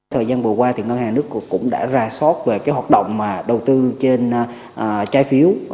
thời gian vừa qua thì ngân hàng nước cũng đã ra sót về cái hoạt động mà đầu tư trên trái phiếu